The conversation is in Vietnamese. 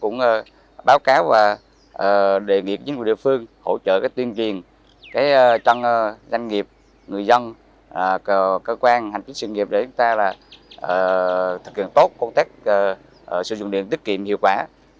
điều này phú quý cũng báo cáo và đề nghiệp những người địa phương hỗ trợ tuyên truyền trong doanh nghiệp người dân cơ quan hành trình sự nghiệp để chúng ta thực hiện tốt công tác sử dụng điện tiết kiệm hiệu quả